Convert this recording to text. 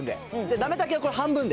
なめたけはこれ、半分で。